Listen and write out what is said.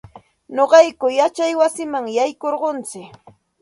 Nuqayku yachay wasiman yaykurquntsik.